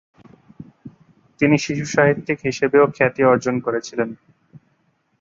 তিনি শিশুসাহিত্যিক হিসেবেও খ্যাতি অর্জন করেছিলেন।